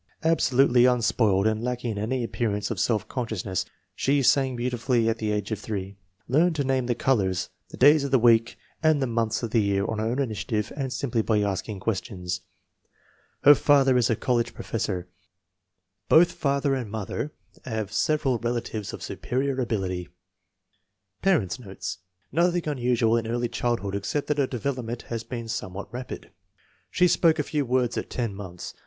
Absolutely unspoiled and lacking in any appearance of self consciousness. She sang beauti fully at the age of 3. Learned to name the colors, the days of the week and the months of the year on her own initiative and simply by asking questions. Her father is a college professor. Both father and mother have several relatives of superior ability. Parents 9 notes. Nothing unusual in early child hood except that her development has been some what rapid. She spoke a few words at ten months.